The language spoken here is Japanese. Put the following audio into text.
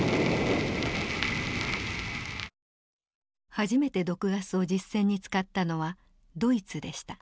初めて毒ガスを実戦に使ったのはドイツでした。